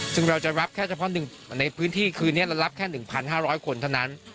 ซึ่งเราจะรับแค่เฉพาะในพื้นที่คืนนี้เรารับแค่๑๕๐๐คนเท่านั้น